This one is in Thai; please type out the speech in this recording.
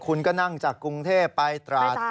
คุณก็นั่งจากกรุงเทพไปตราด